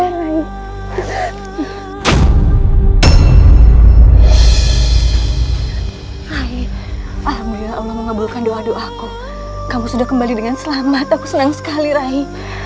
ayo alhamdulillah allah mengabulkan doa doaku kamu sudah kembali dengan selamat aku senang sekali rai